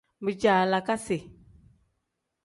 Bijaalakasi.